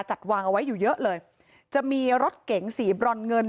จัดวางเอาไว้อยู่เยอะเลยจะมีรถเก๋งสีบรอนเงิน